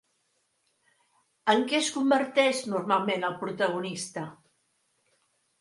En què es converteix normalment el protagonista?